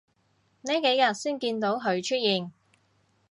呢幾日先見到佢出現